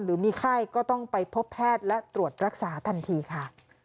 หรือมีไข้ก็ต้องไปพบแพทย์และตรวจรักษาทันทีค่ะ